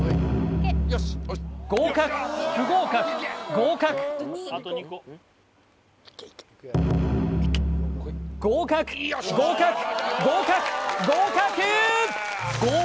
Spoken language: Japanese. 合格不合格合格合格合格合格合格